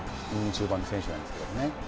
中盤の選手なんですけどね。